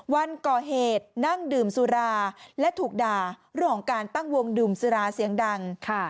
วันก่อเหตุนั่งดื่มสุราและถูกด่าเรื่องของการตั้งวงดื่มสุราเสียงดัง